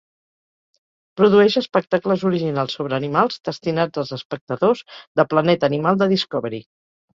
Produeix espectacles originals sobre animals, destinats als espectadors de Planeta animal de Discovery.